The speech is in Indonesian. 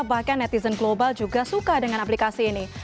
bahkan netizen global juga suka dengan aplikasi ini